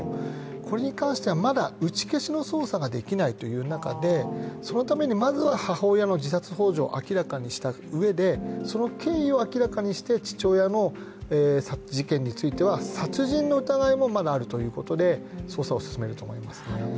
これに関してはまだ打ち消しの捜査ができないという中で、そのためにまずは母親の自殺ほう助を明らかにしたうえでその経緯を明らかにして、父親の事件については殺人の疑いもまだあるということで捜査を進めると思いますね。